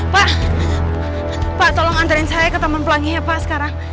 pak pak tolong anjarin saya ke taman pelangi ya pak sekarang